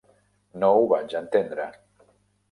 No ho vaig entendre.